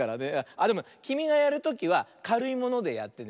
あっでもきみがやるときはかるいものでやってね。